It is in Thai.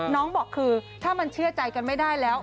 บอกคือถ้ามันเชื่อใจกันไม่ได้แล้ว